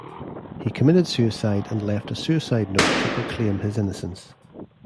He committed suicide and left a suicide note to proclaim his innocence.